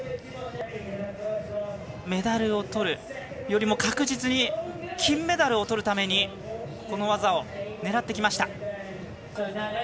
メダルを取るよりも確実に金メダルを取るためにこの技を狙ってきました。